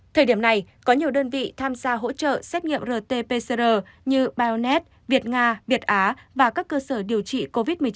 thời điểm này có nhiều đơn vị tham gia hỗ trợ xét nghiệm rt pcr như bionet việt nga việt á và các cơ sở điều trị covid